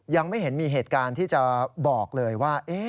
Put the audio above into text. ยังไม่เห็นมีเหตุการณ์ที่จะบอกเลยว่า